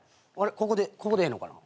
ここでここでええのかな？